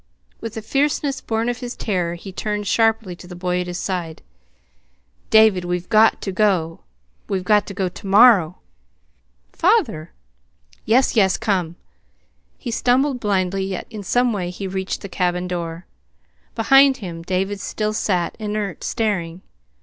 With a fierceness born of his terror he turned sharply to the boy at his side. "David, we've got to go! We've got to go TO MORROW!" "Father!" "Yes, yes, come!" He stumbled blindly, yet in some way he reached the cabin door. Behind him David still sat, inert, staring.